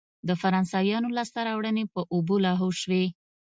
د فرانسویانو لاسته راوړنې په اوبو لاهو شوې.